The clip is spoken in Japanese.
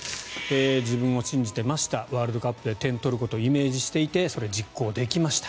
自分を信じてましたワールドカップで点を取ることをイメージしていてそれを実行できました。